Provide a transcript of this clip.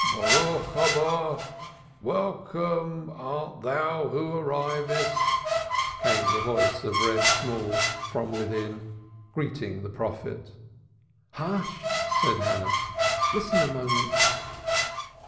"Boruch Habo! (Welcome art thou who arrivest)" came the voice of Reb Shemuel front within, greeting the prophet. "Hush!" said Hannah. "Listen a moment."